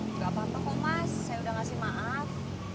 nggak apa apa kok mas saya udah ngasih maaf